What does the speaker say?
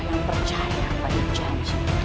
yang percaya pada janji